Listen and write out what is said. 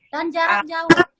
dan jarak jauh